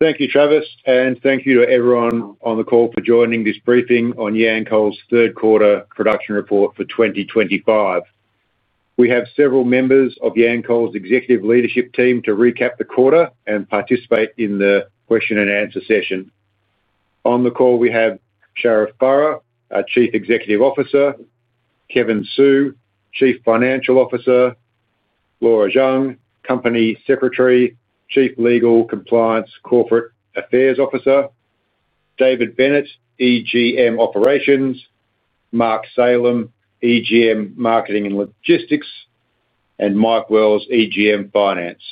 Thank you, Travis, and thank you to everyone on the call for joining this briefing on Yancoal's third quarter production report for 2025. We have several members of Yancoal's Executive Leadership team to recap the quarter and participate in the question and answer session. On the call, we have Sharif Burra, our Chief Executive Officer, Kevin Su, Chief Financial Officer, Laura Zhang, Company Secretary, Chief Legal Compliance Corporate Affairs Officer, David Bennett, EGM Operations, Mark Salem, EGM Marketing and Logistics, and Mike Wells, EGM Finance.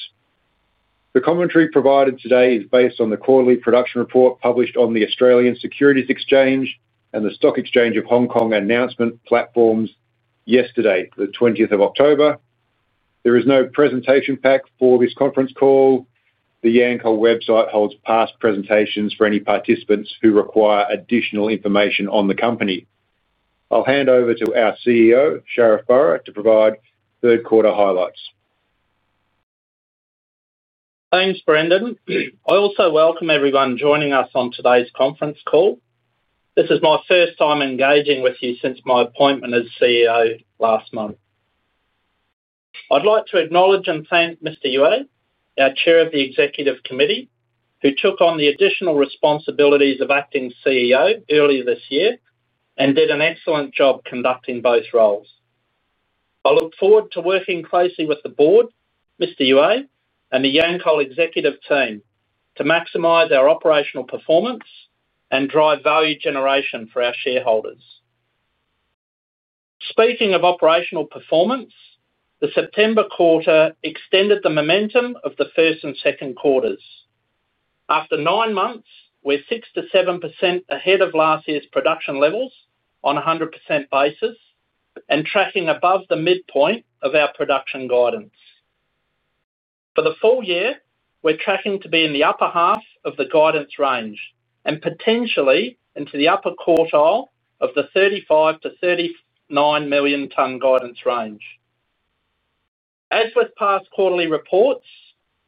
The commentary provided today is based on the quarterly production report published on the Australian Securities Exchange and the Stock Exchange of Hong Kong announcement platforms yesterday, the 20th of October. There is no presentation pack for this conference call. The Yancoal website holds past presentations for any participants who require additional information on the company. I'll hand over to our CEO, Sharif Burra, to provide third quarter highlights. Thanks, Brendan. I also welcome everyone joining us on today's conference call. This is my first time engaging with you since my appointment as CEO last month. I'd like to acknowledge and thank Mr. Yue, our Chair of the Executive Committee, who took on the additional responsibilities of acting CEO earlier this year and did an excellent job conducting both roles. I look forward to working closely with the Board, Mr. Yue, and the Yancoal executive team to maximize our operational performance and drive value generation for our shareholders. Speaking of operational performance, the September quarter extended the momentum of the first and second quarters. After nine months, we're 6%-7% ahead of last year's production levels on a 100% basis and tracking above the midpoint of our production guidance. For the full year, we're tracking to be in the upper half of the guidance range and potentially into the upper quartile of the 35-39 million ton guidance range. As with past quarterly reports,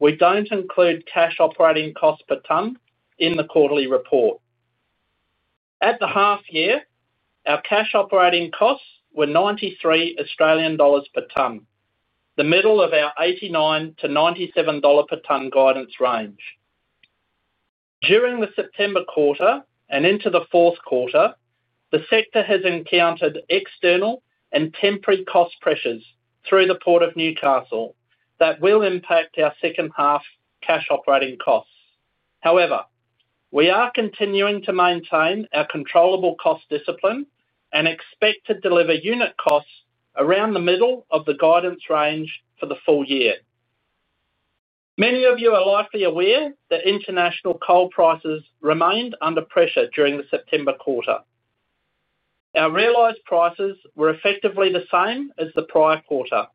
we don't include cash operating costs per ton in the quarterly report. At the half year, our cash operating costs were 93 Australian dollars per ton, the middle of our 89–97 dollar per ton guidance range. During the September quarter and into the fourth quarter, the sector has encountered external and temporary cost pressures through the Port of Newcastle that will impact our second half cash operating costs. However, we are continuing to maintain our controllable cost discipline and expect to deliver unit costs around the middle of the guidance range for the full year. Many of you are likely aware that international coal prices remained under pressure during the September quarter. Our realized prices were effectively the same as the prior quarter.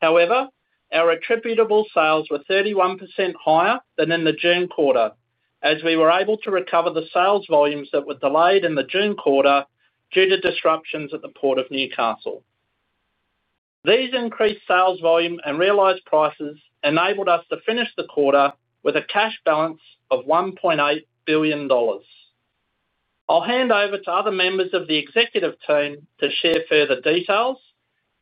However, our attributable sales were 31% higher than in the June quarter, as we were able to recover the sales volumes that were delayed in the June quarter due to disruptions at the Port of Newcastle. These increased sales volume and realized prices enabled us to finish the quarter with a cash balance of $1.8 billion. I'll hand over to other members of the executive team to share further details,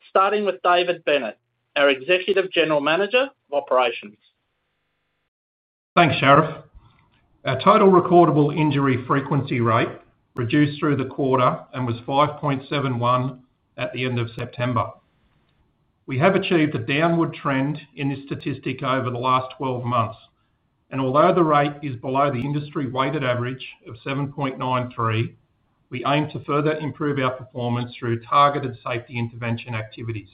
starting with David Bennett, our Executive General Manager of Operations. Thanks, Sharif. Our total recordable injury frequency rate reduced through the quarter and was 5.71% at the end of September. We have achieved a downward trend in this statistic over the last 12 months, and although the rate is below the industry weighted average of 7.93, we aim to further improve our performance through targeted safety intervention activities.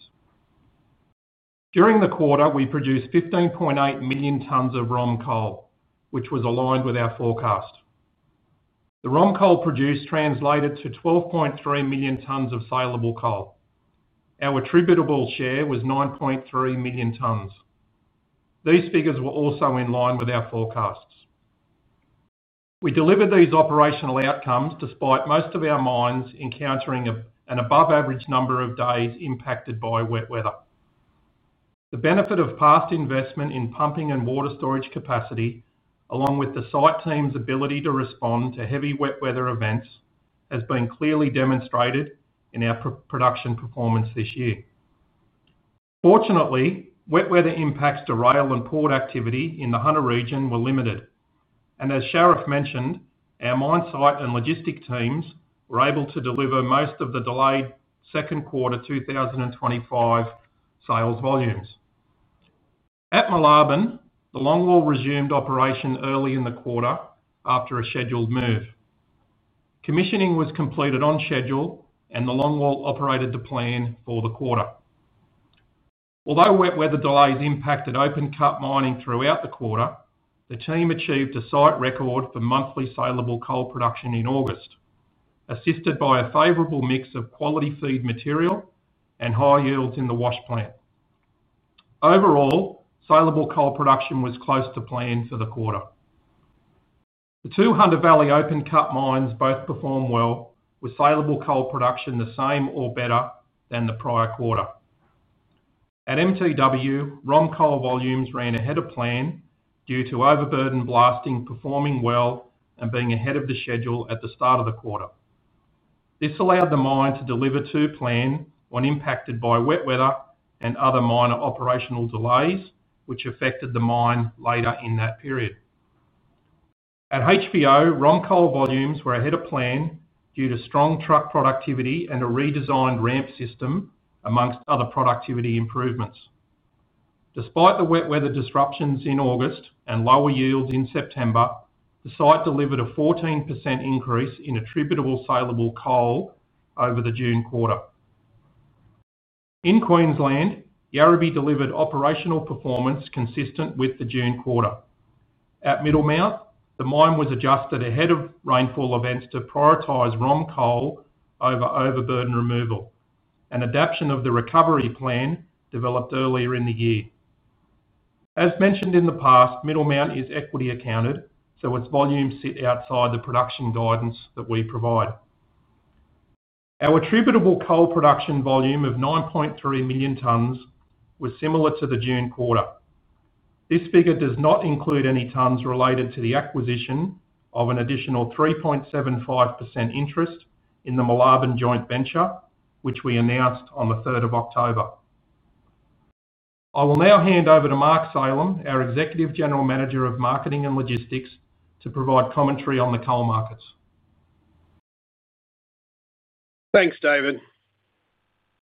During the quarter, we produced 15.8 million tons of ROM coal, which was aligned with our forecast. The ROM coal produced translated to 12.3 million tons of salable coal. Our attributable share was 9.3 million tons. These figures were also in line with our forecasts. We delivered these operational outcomes despite most of our mines encountering an above-average number of days impacted by wet weather. The benefit of past investment in pumping and water storage capacity, along with the site team's ability to respond to heavy wet weather events, has been clearly demonstrated in our production performance this year. Fortunately, wet weather impacts to rail and port activity in the Hunter region were limited, and as Sharif mentioned, our Mine Site and Logistics teams were able to deliver most of the delayed second quarter 2025 sales volumes. At Moolarben, the longwall resumed operation early in the quarter after a scheduled move. Commissioning was completed on schedule, and the longwall operated to plan for the quarter. Although wet weather delays impacted open cut mining throughout the quarter, the team achieved a site record for monthly salable coal production in August, assisted by a favorable mix of quality feed material and high yields in the wash plant. Overall, salable coal production was close to plan for the quarter. The two Hunter Valley open cut mines both performed well, with salable coal production the same or better than the prior quarter. At MTW, ROM coal volumes ran ahead of plan due to overburden blasting performing well and being ahead of the schedule at the start of the quarter. This allowed the mine to deliver to plan when impacted by wet weather and other minor operational delays, which affected the mine later in that period. At HVO, ROM coal volumes were ahead of plan due to strong truck productivity and a redesigned ramp system, among other productivity improvements. Despite the wet weather disruptions in August and lower yields in September, the site delivered a 14% increase in attributable salable coal over the June quarter. In Queensland, Yarrabee delivered operational performance consistent with the June quarter. At Middlemount, the mine was adjusted ahead of rainfall events to prioritize ROM coal over overburden removal, and adaption of the recovery plan developed earlier in the year. As mentioned in the past, Middlemount is equity accounted, so its volumes sit outside the production guidance that we provide. Our attributable coal production volume of 9.3 million tons was similar to the June quarter. This figure does not include any tons related to the acquisition of an additional 3.75% interest in the Moolarben joint venture, which we announced on the 3rd of October. I will now hand over to Mark Salem, our Executive General Manager of Marketing and Logistics, to provide commentary on the coal markets. Thanks, David.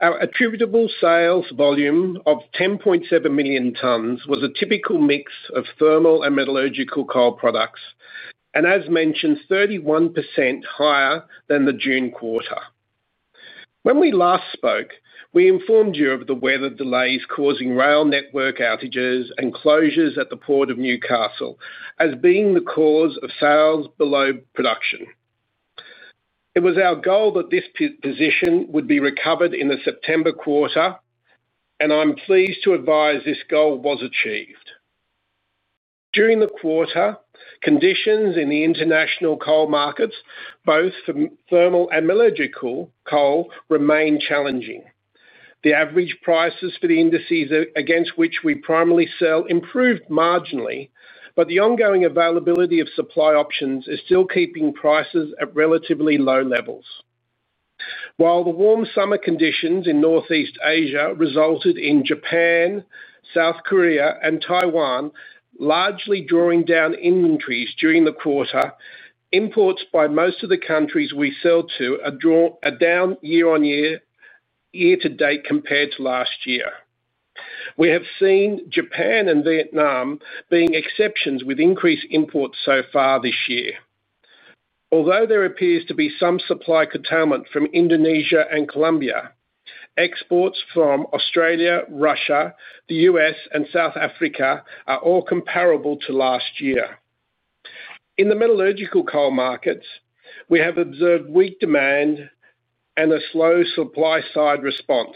Our attributable sales volume of 10.7 million tons was a typical mix of thermal and metallurgical coal products, and as mentioned, 31% higher than the June quarter. When we last spoke, we informed you of the weather delays causing rail network outages and closures at the Port of Newcastle as being the cause of sales below production. It was our goal that this position would be recovered in the September quarter, and I'm pleased to advise this goal was achieved. During the quarter, conditions in the international coal markets, both for thermal and metallurgical coal, remained challenging. The average prices for the indices against which we primarily sell improved marginally, but the ongoing availability of supply options is still keeping prices at relatively low levels. While the warm summer conditions in Northeast Asia resulted in Japan, South Korea, and Taiwan largely drawing down inventories during the quarter, imports by most of the countries we sell to are down year-on-year, year-to date compared to last year. We have seen Japan and Vietnam being exceptions with increased imports so far this year. Although there appears to be some supply curtailment from Indonesia and Colombia, exports from Australia, Russia, the U.S., and South Africa are all comparable to last year. In the metallurgical coal markets, we have observed weak demand and a slow supply-side response.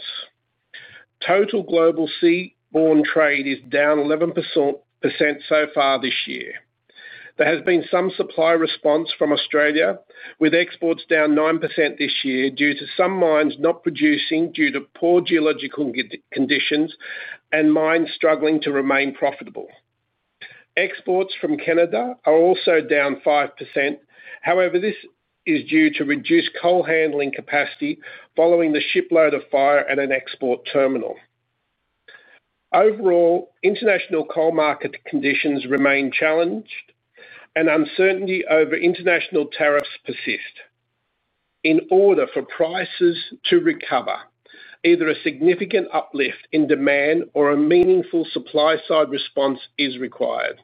Total global seaborne trade is down 11% so far this year. There has been some supply response from Australia, with exports down 9% this year due to some mines not producing due to poor geological conditions and mines struggling to remain profitable. Exports from Canada are also down 5%, however, this is due to reduced coal handling capacity following the shipload of fire at an export terminal. Overall, international coal market conditions remain challenged, and uncertainty over international tariffs persists. In order for prices to recover, either a significant uplift in demand or a meaningful supply-side response is required.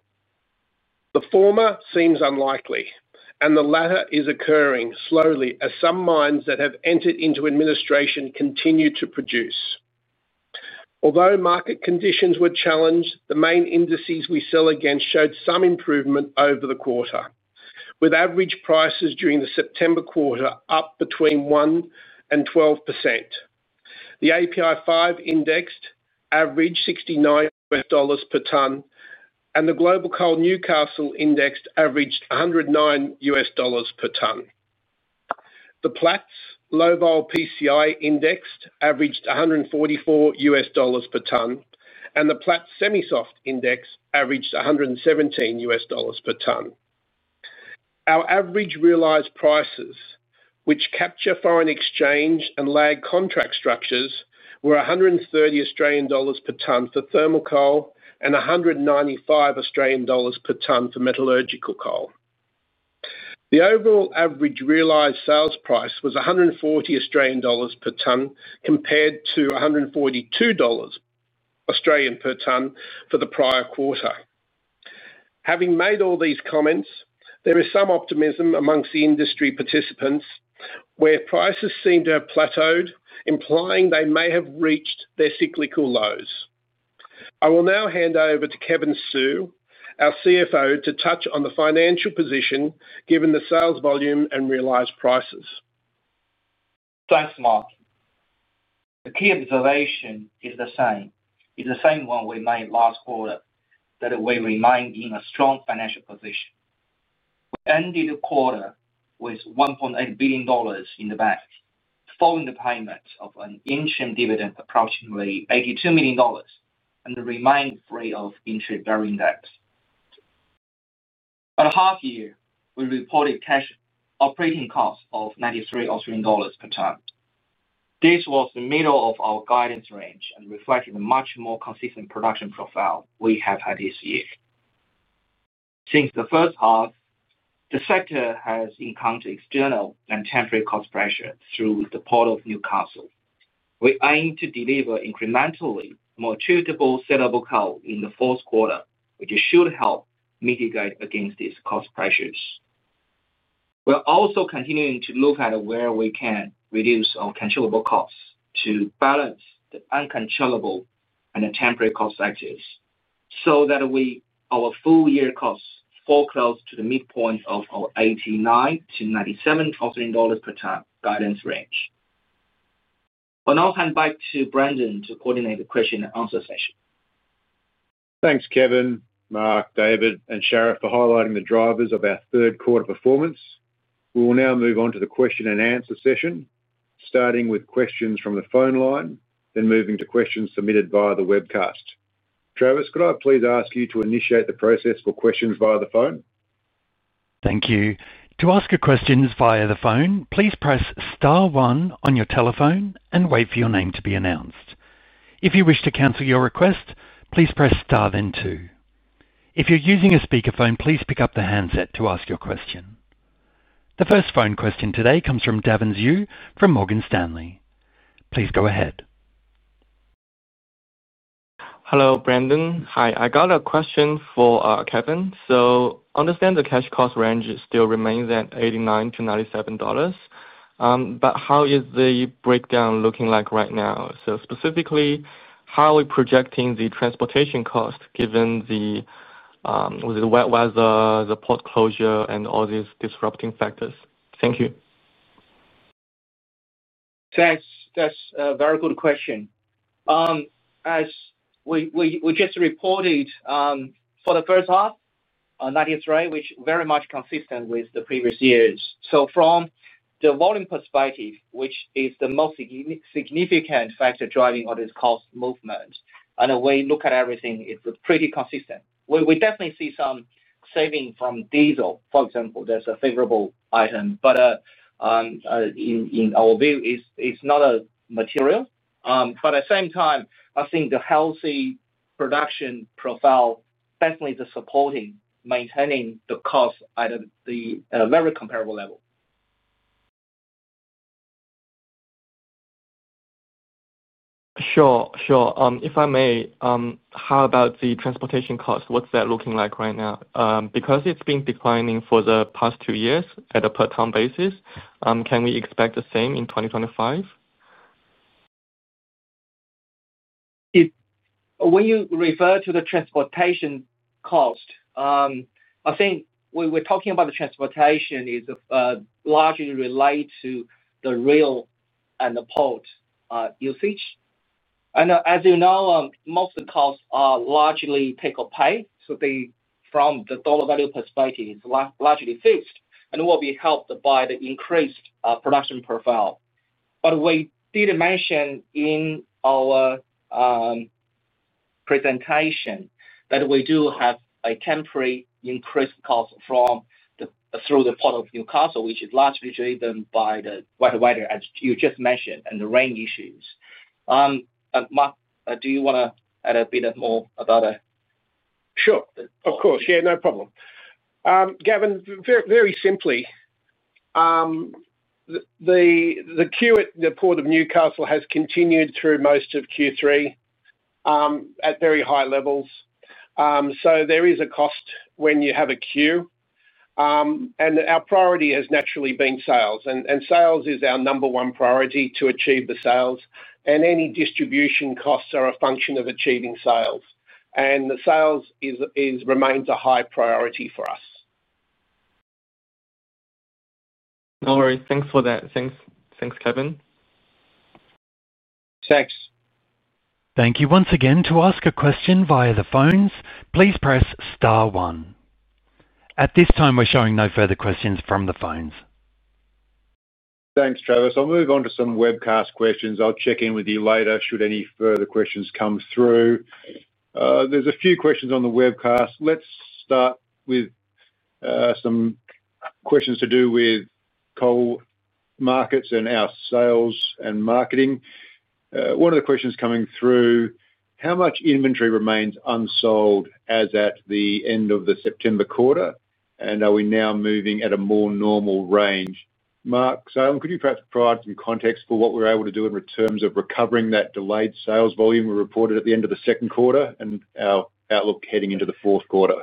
The former seems unlikely, and the latter is occurring slowly as some mines that have entered into administration continue to produce. Although market conditions were challenged, the main indices we sell against showed some improvement over the quarter, with average prices during the September quarter up between 1% and 12%. The API 5 index averaged $69 per ton, and the Global Coal Newcastle index averaged $109 per ton. The Platts Low Vol PCI index averaged $144 per ton, and the Platts Semi-Soft index averaged $117 per ton. Our average realized prices, which capture foreign exchange and lag contract structures, were 130 Australian dollars per ton for thermal coal and 195 Australian dollars per ton for metallurgical coal. The overall average realized sales price was 140 Australian dollars per ton compared to 142 Australian dollars per ton for the prior quarter. Having made all these comments, there is some optimism amongst the industry participants, where prices seem to have plateaued, implying they may have reached their cyclical lows. I will now hand over to Kevin Su, our CFO, to touch on the financial position given the sales volume and realized prices. Thanks, Mark. The key observation is the same, is the same one we made last quarter, that we remain in a strong financial position. We ended the quarter with $1.8 billion in the bank, following the payment of an interim dividend of approximately $82 million and the remainder free of interest-bearing debt. At half year, we reported cash operating costs of 93 Australian dollars per ton. This was the middle of our guidance range and reflected a much more consistent production profile we have had this year. Since the first half, the sector has encountered external and temporary cost pressure through the Port of Newcastle. We aim to deliver incrementally more attributable salable coal in the fourth quarter, which should help mitigate against these cost pressures. We're also continuing to look at where we can reduce our controllable costs to balance the uncontrollable and the temporary cost sectors so that our full year costs fall close to the midpoint of our 89–97 Australian dollars per tonn guidance range. On our hand, back to Brendan to coordinate the question and answer session. Thanks, Kevin, Mark, David, and Sharif, for highlighting the drivers of our third quarter performance. We will now move on to the question-and-answer session, starting with questions from the phone line, then moving to questions submitted via the webcast. Travis, could I please ask you to initiate the process for questions via the phone? Thank you. To ask your questions via the phone, please press star one on your telephone and wait for your name to be announced. If you wish to cancel your request, please press star then two. If you're using a speakerphone, please pick up the handset to ask your question. The first phone question today comes from Davven Xu from Morgan Stanley. Please go ahead. Hello, Brendan. Hi, I got a question for Kevin. I understand the cash cost range still remains at 89 -97 dollars, but how is the breakdown looking like right now? Specifically, how are we projecting the transportation cost given the wet weather, the port closure, and all these disrupting factors? Thank you. That's a very good question. As we just reported for the first half, 93, which is very much consistent with the previous years. From the volume perspective, which is the most significant factor driving all this cost movement, and we look at everything, it's pretty consistent. We definitely see some saving from diesel, for example, that's a favorable item, but in our view, it's not material. At the same time, I think the healthy production profile definitely is supporting maintaining the cost at a very comparable level. Sure. If I may, how about the transportation cost? What's that looking like right now? Because it's been declining for the past two years at a per ton basis, can we expect the same in 2025? When you refer to the transportation cost, I think when we're talking about the transportation, it's largely related to the rail and the port usage. As you know, most of the costs are largely take-home pay, so from the dollar value perspective, it's largely fixed and will be helped by the increased production profile. We did mention in our presentation that we do have a temporary increased cost through the Port of Newcastle, which is largely driven by the wet weather, as you just mentioned, and the rain issues. Mark, do you want to add a bit more about it? Sure, of course. Yeah, no problem. Davven, very simply, the queue at the Port of Newcastle has continued through most of Q3 at very high levels. There is a cost when you have a queue, and our priority has naturally been sales. Sales is our number one priority to achieve the sales, and any distribution costs are a function of achieving sales. The sales remains a high priority for us. No worries. Thanks for that. Thanks, Kevin. Thanks. Thank you. Once again, to ask a question via the phones, please press star one. At this time, we're showing no further questions from the phones. Thanks, Travis. I'll move on to some webcast questions. I'll check in with you later should any further questions come through. There's a few questions on the webcast. Let's start with some questions to do with coal markets and our sales and marketing. One of the questions coming through, how much inventory remains unsold as at the end of the September quarter, and are we now moving at a more normal range? Mark Salem, could you perhaps provide some context for what we're able to do in terms of recovering that delayed sales volume we reported at the end of the second quarter and our outlook heading into the fourth quarter?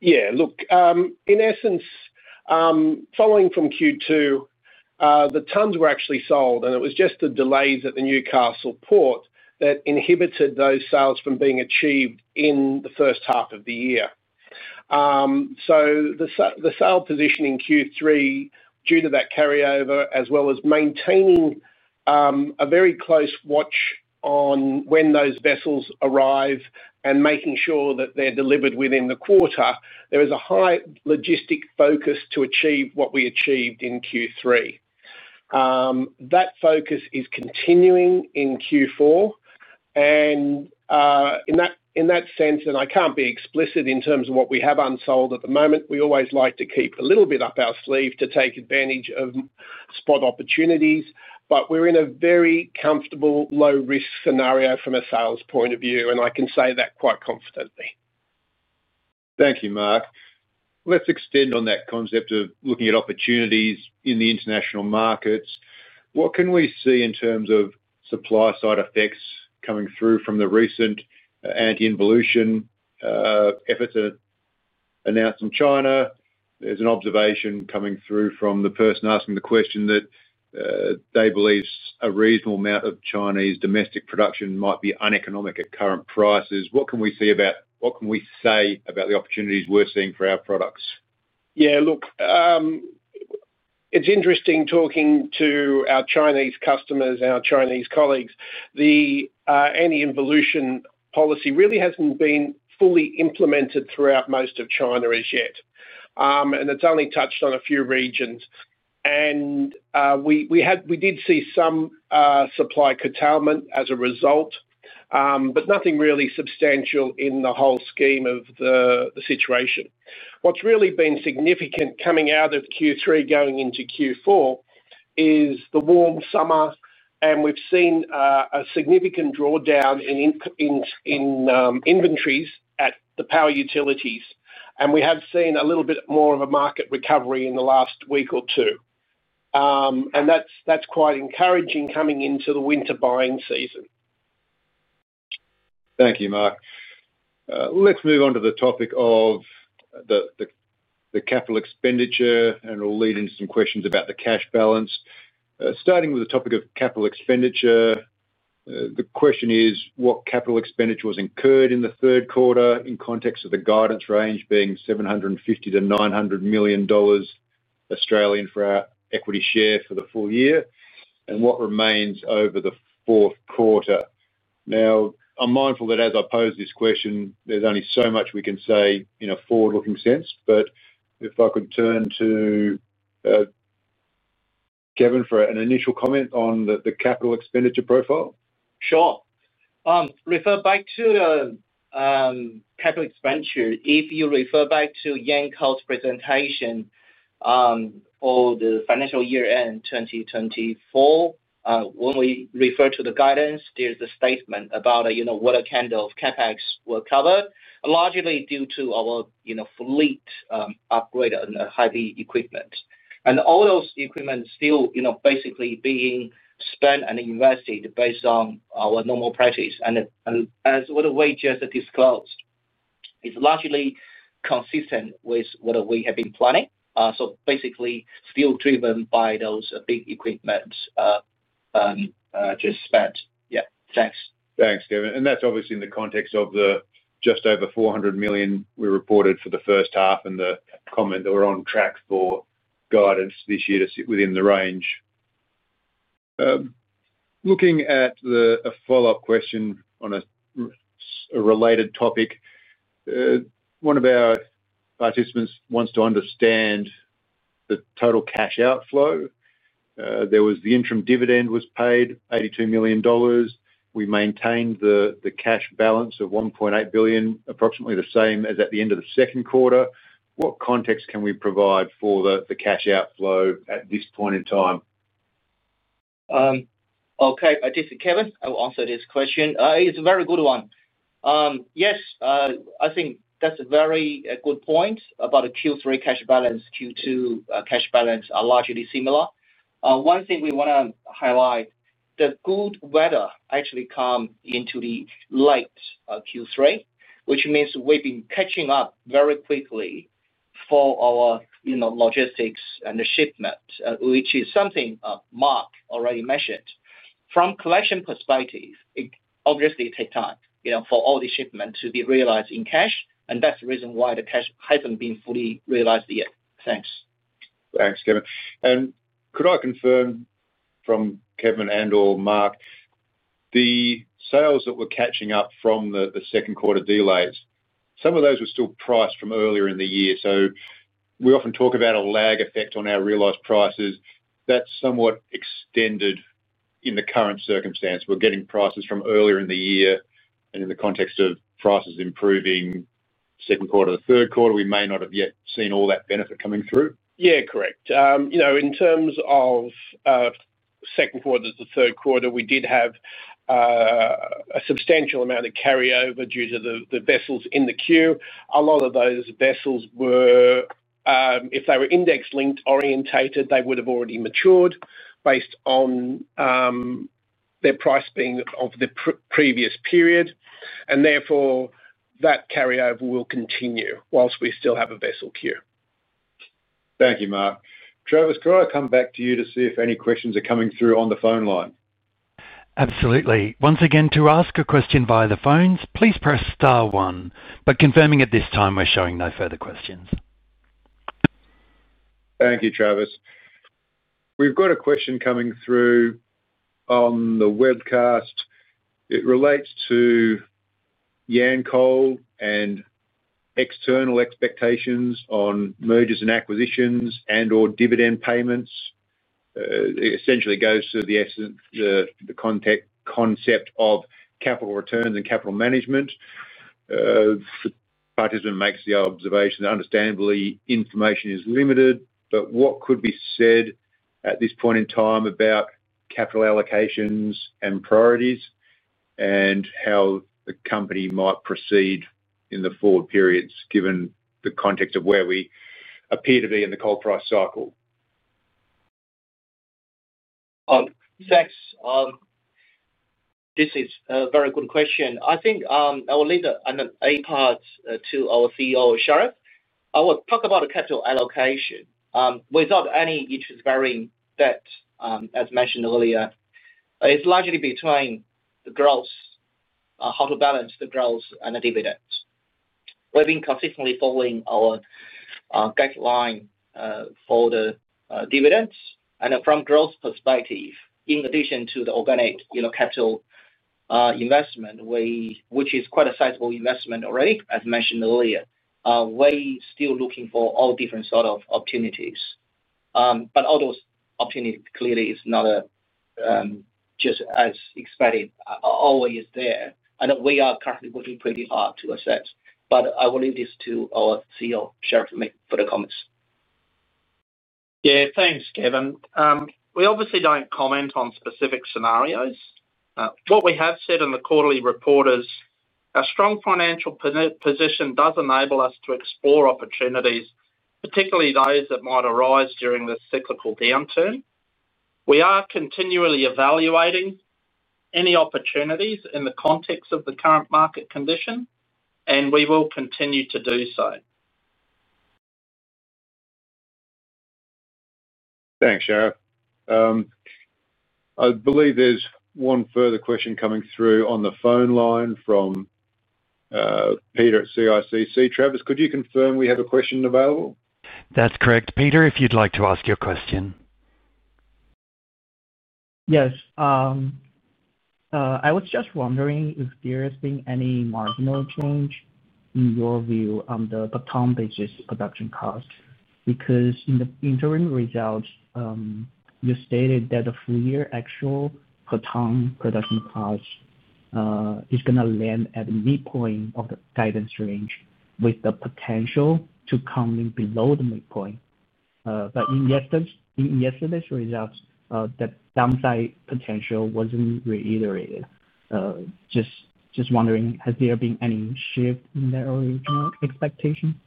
Yeah, look, in essence, following from Q2, the tons were actually sold, and it was just the delays at the Newcastle Port that inhibited those sales from being achieved in the first half of the year. The sale position in Q3, due to that carryover, as well as maintaining a very close watch on when those vessels arrive and making sure that they're delivered within the quarter, there was a high logistic focus to achieve what we achieved in Q3. That focus is continuing in Q4, and in that sense, I can't be explicit in terms of what we have unsold at the moment. We always like to keep a little bit up our sleeve to take advantage of spot opportunities, but we're in a very comfortable, low-risk scenario from a sales point of view, and I can say that quite confidently. Thank you, Mark. Let's extend on that concept of looking at opportunities in the international markets. What can we see in terms of supply-side effects coming through from the recent anti-involution efforts announced from China? There's an observation coming through from the person asking the question that they believe a reasonable amount of Chinese domestic production might be uneconomic at current prices. What can we see about, what can we say about the opportunities we're seeing for our products? Yeah, look, it's interesting talking to our Chinese customers and our Chinese colleagues. The anti-involution policy really hasn't been fully implemented throughout most of China as yet, and it's only touched on a few regions. We did see some supply curtailment as a result, but nothing really substantial in the whole scheme of the situation. What's really been significant coming out of Q3 going into Q4 is the warm summer, and we've seen a significant drawdown in inventories at the power utilities. We have seen a little bit more of a market recovery in the last week or two, and that's quite encouraging coming into the winter buying season. Thank you, Mark. Let's move on to the topic of the capital expenditure, and it'll lead into some questions about the cash balance. Starting with the topic of capital expenditure, the question is what capital expenditure was incurred in the third quarter in context of the guidance range being 750-900 million dollars for our equity share for the full year, and what remains over the fourth quarter? I'm mindful that as I pose this question, there's only so much we can say in a forward-looking sense, but if I could turn to Kevin for an initial comment on the capital expenditure profile? Sure. Refer back to the capital expenditure, if you refer back to Yancoal's presentation or the financial year-end 2024, when we refer to the guidance, there's a statement about what a kind of CapEx will cover, largely due to our fleet upgrade and heavy equipment. All those equipment still basically being spent and invested based on our normal practice. As what we just disclosed, it's largely consistent with what we have been planning. Basically, still driven by those big equipments just spent. Yeah, thanks. Thanks, Kevin. That's obviously in the context of the just over $400 million we reported for the first half and the comment that we're on track for guidance this year to sit within the range. Looking at a follow-up question on a related topic, one of our participants wants to understand the total cash outflow. The interim dividend was paid $82 million. We maintained the cash balance of $1.8 billion, approximately the same as at the end of the second quarter. What context can we provide for the cash outflow at this point in time? Okay, Kevin, I will answer this question. It's a very good one. Yes, I think that's a very good point about the Q3 cash balance. Q2 cash balance are largely similar. One thing we want to highlight, the good weather actually comes into the late Q3, which means we've been catching up very quickly for our logistics and the shipment, which is something Mark already mentioned. From a collection perspective, it obviously takes time for all the shipment to be realized in cash, and that's the reason why the cash hasn't been fully realized yet. Thanks. Thanks, Kevin. Could I confirm from Kevin and/or Mark, the sales that we're catching up from the second quarter delays, some of those were still priced from earlier in the year? We often talk about a lag effect on our realized prices. That's somewhat extended in the current circumstance. We're getting prices from earlier in the year, and in the context of prices improving the second quarter to the third quarter, we may not have yet seen all that benefit coming through. Yeah, correct. In terms of second quarter to the third quarter, we did have a substantial amount of carryover due to the vessels in the queue. A lot of those vessels were, if they were index-linked orientated, they would have already matured based on their price being of the previous period, and therefore, that carryover will continue whilst we still have a vessel queue. Thank you, Mark. Travis, could I come back to you to see if any questions are coming through on the phone line? Absolutely. Once again, to ask a question via the phones, please press star one. Confirming at this time, we're showing no further questions. Thank you, Travis. We've got a question coming through on the webcast. It relates to Yancoal and external expectations on mergers and acquisitions opportunities and/or dividend payments. It essentially goes to the essence, the concept of capital returns and capital management. The participant makes the observation that understandably information is limited, but what could be said at this point in time about capital allocations and priorities and how the company might proceed in the forward periods given the context of where we appear to be in the coal price cycle? Thanks. This is a very good question. I think I will leave it in impasse to our CEO, Sharif. I will talk about the capital allocation. Without any interest-bearing debt, as mentioned earlier, it's largely between the growth, how to balance the growth, and the dividends. We've been consistently following our guideline for the dividends, and from a growth perspective, in addition to the organic capital investment, which is quite a sizable investment already, as mentioned earlier, we're still looking for all different sorts of opportunities. All those opportunities clearly are not just as expected, always there, and we are currently working pretty hard to assess. I will leave this to our CEO, Sharif, for the comments. Yeah, thanks, Kevin. We obviously don't comment on specific scenarios. What we have said in the quarterly report is our strong financial position does enable us to explore opportunities, particularly those that might arise during the cyclical downturn. We are continually evaluating any opportunities in the context of the current market condition, and we will continue to do so. Thanks, Sharif. I believe there's one further question coming through on the phone line from Peter at CICC. Travis, could you confirm we have a question available? That's correct, Peter, if you'd like to ask your question. Yes. I was just wondering if there has been any marginal change in your view on the per ton basis production cost because in the interim results, you stated that the full year actual per ton production cost is going to land at the midpoint of the guidance range with the potential to come in below the midpoint. In yesterday's results, the downside potential wasn't reiterated. Just wondering, has there been any shift in that original expectation?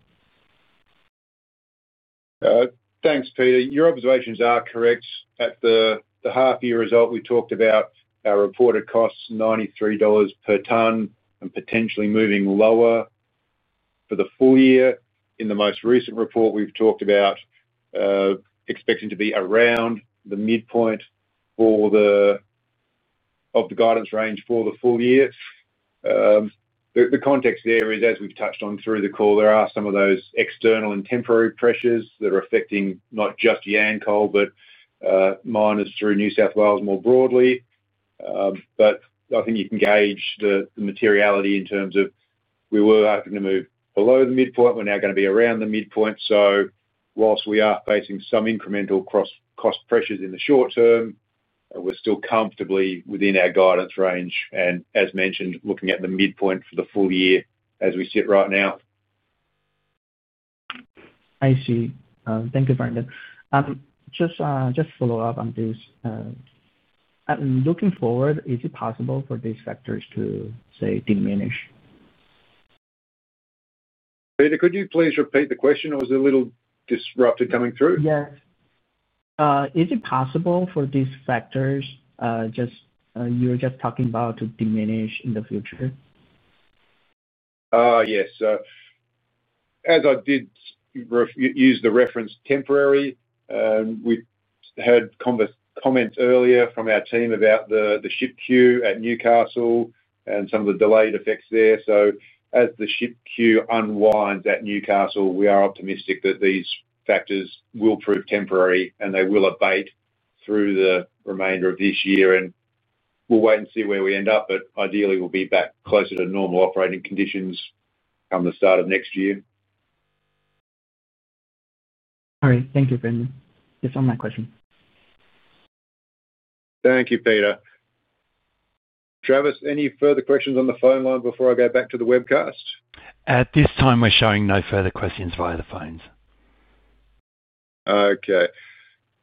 Thanks, Peter. Your observations are correct. At the half-year result, we talked about our reported costs at $93 per ton and potentially moving lower for the full year. In the most recent report, we've talked about expecting to be around the midpoint of the guidance range for the full year. The context there is, as we've touched on through the call, there are some of those external and temporary pressures that are affecting not just Yancoal, but miners through New South Wales more broadly. I think you can gauge the materiality in terms of we were hoping to move below the midpoint. We're now going to be around the midpoint. Whilst we are facing some incremental cost pressures in the short-term, we're still comfortably within our guidance range and, as mentioned, looking at the midpoint for the full year as we sit right now. I see. Thank you, Brendan. Just to follow up on this, looking forward, is it possible for these factors to, say, diminish? Peter, could you please repeat the question? I was a little disrupted coming through. Yes. Is it possible for these factors, just you were just talking about, to diminish in the future? Yes. As I did use the reference temporary, we heard comments earlier from our team about the ship queue at Newcastle and some of the delayed effects there. As the ship queue unwinds at Newcastle, we are optimistic that these factors will prove temporary and they will abate through the remainder of this year. We'll wait and see where we end up, but ideally, we'll be back closer to normal operating conditions come the start of next year. All right, thank you, Brendan, that's all my question. Thank you, Peter. Travis, any further questions on the phone line before I go back to the webcast? At this time, we're showing no further questions via the phones. Okay.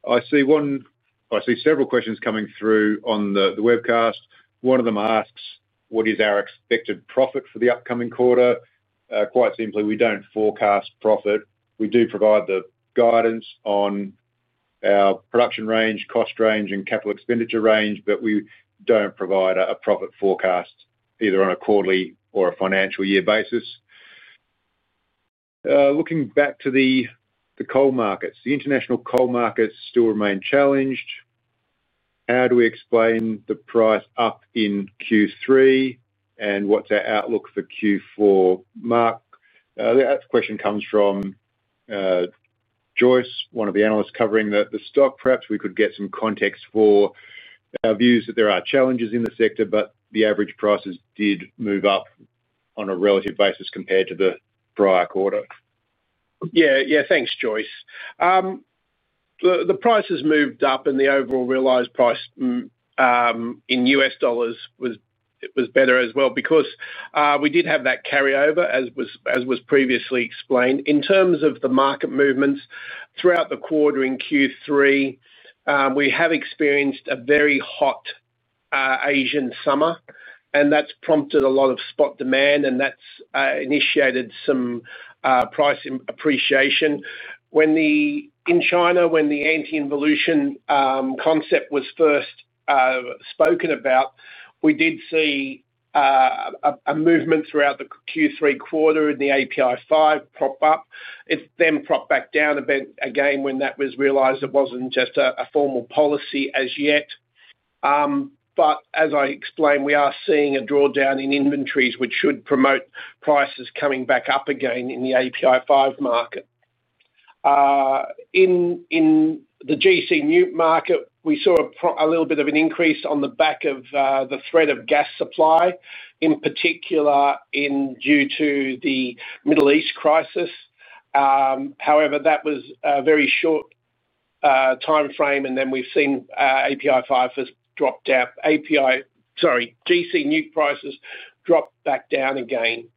I see one, I see several questions coming through on the webcast. One of them asks, what is our expected profit for the upcoming quarter? Quite simply, we don't forecast profit. We do provide the guidance on our production range, cost range, and capital expenditure range, but we don't provide a profit forecast either on a quarterly or a financial year basis. Looking back to the coal markets, the international coal markets still remain challenged. How do we explain the price up in Q3 and what's our outlook for Q4? Mark, that question comes from Joyce, one of the analysts covering the stock. Perhaps we could get some context for our views that there are challenges in the sector, but the average prices did move up on a relative basis compared to the prior quarter. Yeah, yeah, thanks, Joyce. The prices moved up, and the overall realized price in U.S. dollars was better as well because we did have that carryover, as was previously explained. In terms of the market movements throughout the quarter in Q3, we have experienced a very hot Asian summer, and that's prompted a lot of spot demand, and that's initiated some price appreciation. In China, when the anti-involution concept was first spoken about, we did see a movement throughout the Q3 quarter and the API 5 prop up. It then propped back down again when it was realized it wasn't just a formal policy as yet. As I explained, we are seeing a drawdown in inventories, which should promote prices coming back up again in the API 5 market. In the GC Mut market, we saw a little bit of an increase on the back of the threat of gas supply, in particular due to the Middle East crisis. That was a very short timeframe, and then we've seen API 5 has dropped down. API, sorry, GC Mut prices dropped back down again.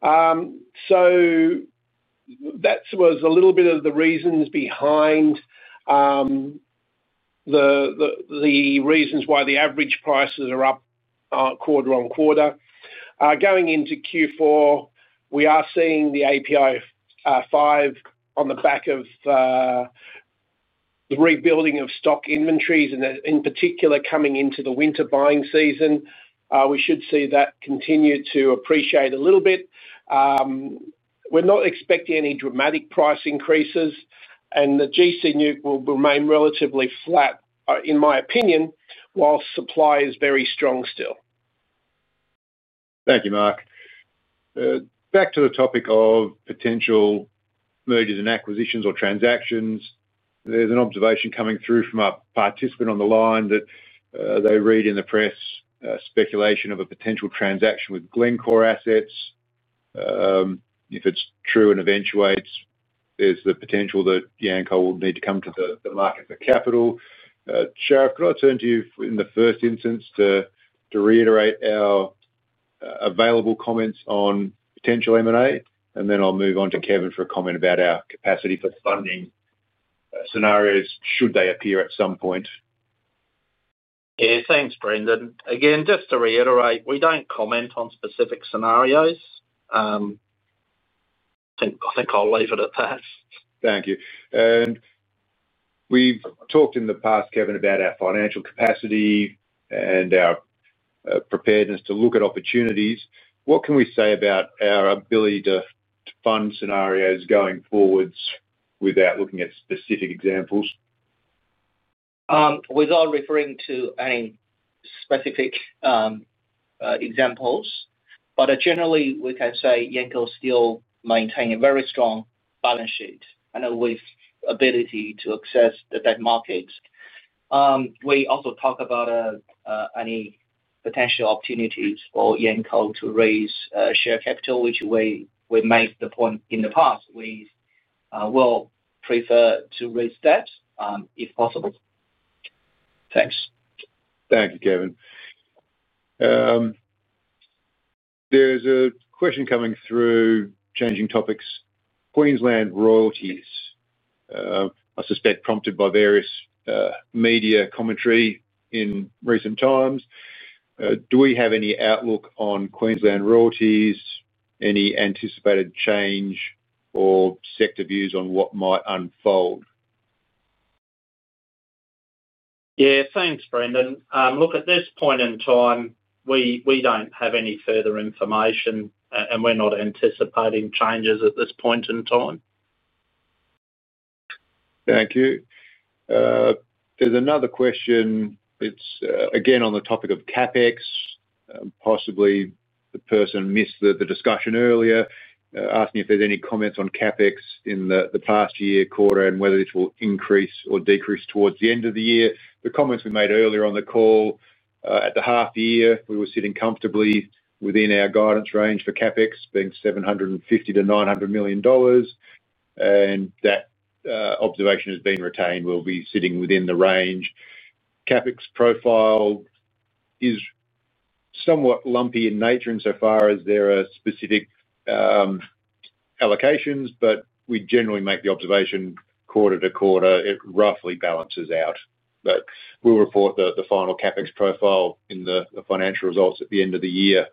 That was a little bit of the reasons behind the reasons why the average prices are up quarter-on-quarter. Going into Q4, we are seeing the API 5 on the back of the rebuilding of stock inventories, and in particular, coming into the winter buying season, we should see that continue to appreciate a little bit. We're not expecting any dramatic price increases, and the GC Mut will remain relatively flat, in my opinion, while supply is very strong still. Thank you, Mark. Back to the topic of potential mergers and acquisitions or transactions, there's an observation coming through from a participant on the line that they read in the press speculation of a potential transaction with Glencore assets. If it's true and eventuates, there's the potential that Yancoal will need to come to the market for capital. Sharif, could I turn to you in the first instance to reiterate our available comments on potential M&A, and then I'll move on to Kevin for a comment about our capacity for funding scenarios should they appear at some point. Yeah, thanks, Brendan. Again, just to reiterate, we don't comment on specific scenarios. I think I'll leave it at that. Thank you. We've talked in the past, Kevin, about our financial capacity and our preparedness to look at opportunities. What can we say about our ability to fund scenarios going forwards without looking at specific examples? Without referring to any specific examples, but generally, we can say Yancoal still maintains a very strong balance sheet and with the ability to access the debt markets. We also talk about any potential opportunities for Yancoal to raise share capital, which we made the point in the past. We will prefer to raise debt if possible. Thanks. Thank you, Kevin. There's a question coming through, changing topics, Queensland royalties. I suspect prompted by various media commentary in recent times. Do we have any outlook on Queensland royalties, any anticipated change, or sector views on what might unfold? Yeah, thanks, Brendan. At this point in time, we don't have any further information, and we're not anticipating changes at this point in time. Thank you. There's another question. It's again on the topic of CapEx. Possibly the person missed the discussion earlier, asking if there's any comments on CapEx in the past year quarter and whether this will increase or decrease towards the end of the year. The comments we made earlier on the call, at the half year, we were sitting comfortably within our guidance range for CapEx being 750-900 million dollars, and that observation has been retained. We'll be sitting within the range. CapEx profile is somewhat lumpy in nature insofar as there are specific allocations, but we generally make the observation quarter-to-quarter, it roughly balances out. We'll report the final CapEx profile in the financial results at the end of the year.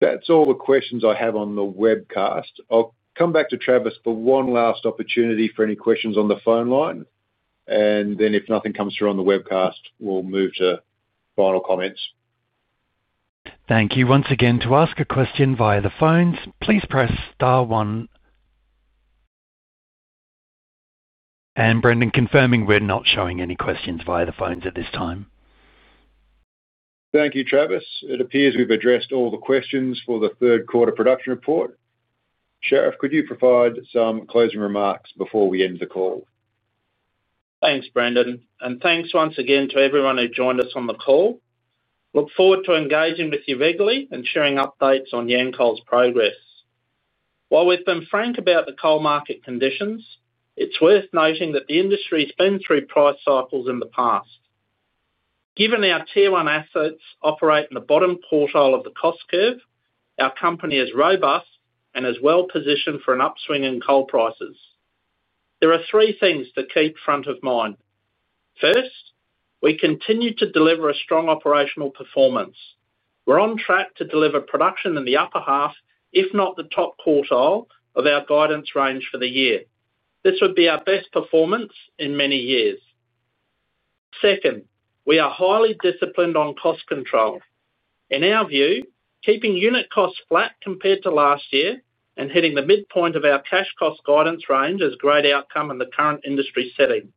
That's all the questions I have on the webcast. I'll come back to Travis for one last opportunity for any questions on the phone line, and if nothing comes through on the webcast, we'll move to final comments. Thank you. Once again, to ask a question via the phones, please press star one. Brendan, confirming we're not showing any questions via the phones at this time. Thank you, Travis. It appears we've addressed all the questions for the third quarter production report. Sharif, could you provide some closing remarks before we end the call? Thanks, Brendan, and thanks once again to everyone who joined us on the call. Look forward to engaging with you regularly and sharing updates on Yancoal's progress. While we've been frank about the coal market conditions, it's worth noting that the industry's been through price cycles in the past. Given our Tier 1assets operate in the bottom quartile of the cost curve, our company is robust and is well positioned for an upswing in coal prices. There are three things to keep front of mind. First, we continue to deliver a strong operational performance. We're on track to deliver production in the upper half, if not the top quartile, of our guidance range for the year. This would be our best performance in many years. Second, we are highly disciplined on cost control. In our view, keeping unit costs flat compared to last year and hitting the midpoint of our cash cost guidance range is a great outcome in the current industry setting.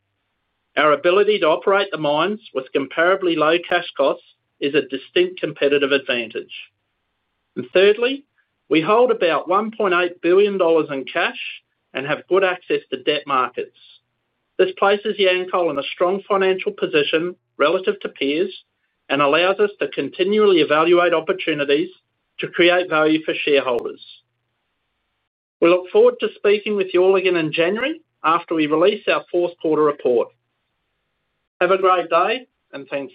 Our ability to operate the mines with comparably low cash costs is a distinct competitive advantage. Thirdly, we hold about $1.8 billion in cash and have good access to debt markets. This places Yancoal in a strong financial position relative to peers and allows us to continually evaluate opportunities to create value for shareholders. We look forward to speaking with you all again in January after we release our fourth quarter report. Have a great day and thank you.